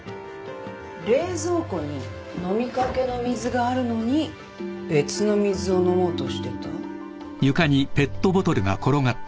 冷蔵庫に飲みかけの水があるのに別の水を飲もうとしてた？